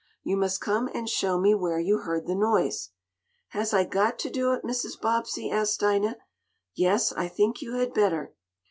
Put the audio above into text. You must come and show me where you heard the noise." "Has I got to do it, Mrs. Bobbsey?" asked Dinah. "Yes, I think you had better."